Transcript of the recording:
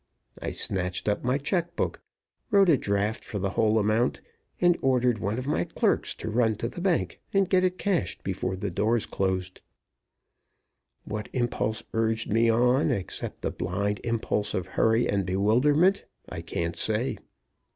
I snatched up my check book, wrote a draft for the whole amount, and ordered one of my clerks to run to the bank and get it cashed before the doors closed. What impulse urged me on, except the blind impulse of hurry and bewilderment, I can't say.